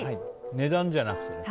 値段じゃなくてね。